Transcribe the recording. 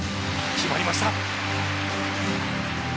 決まりました。